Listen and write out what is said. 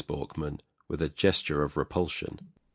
BORKMAN. [With a gesture of repulsion.